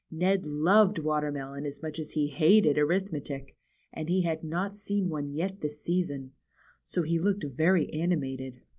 Ned loved" watermelon as much as he hated " arithmetic, and he had not seen one yet this season. So he looked very animated.